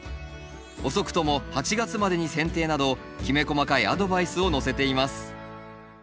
「遅くとも８月までに剪定」などきめ細かいアドバイスを載せています。